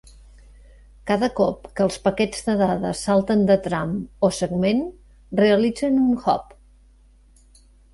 Cada cop que els paquets de dades salten de tram o segment realitzen un hop.